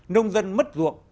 nông dân mất ruộng